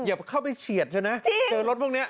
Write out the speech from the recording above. อย่าเข้าไปเฉียดเธอนะเจอรถพวกนี้